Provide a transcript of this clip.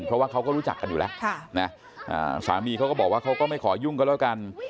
เพราะว่าเขาก็รู้จักกันอยู่แล้วสามีเขาก็บอกว่าเขาก็ไม่ขอยุ่งก็แล้วกัน